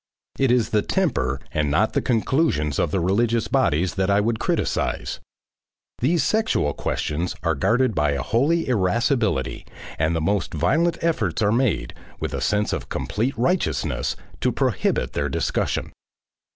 It is the temper and not the conclusions of the religious bodies that I would criticise. These sexual questions are guarded by a holy irascibility, and the most violent efforts are made with a sense of complete righteousness to prohibit their discussion.